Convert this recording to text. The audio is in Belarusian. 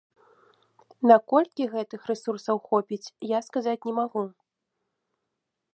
Наколькі гэтых рэсурсаў хопіць, я сказаць не магу.